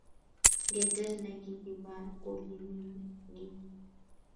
Ngetet nekikibar kokimingin